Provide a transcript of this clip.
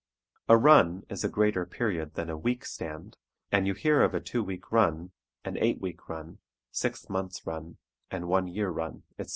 A "run" is a greater period than a "week stand," and you hear of a "two week run," an "eight week run," "six months run," and "one year run," etc.